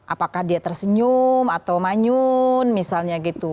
apakah dia tersenyum atau manyun misalnya gitu